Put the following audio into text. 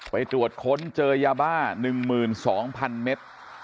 ไปตรวจค้นเจอยาบ้า๑๒๐๐๐เมตร